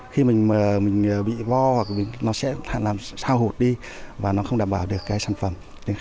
khi mình bị vo hoặc nó sẽ hao hụt đi và nó không đảm bảo được cái sản phẩm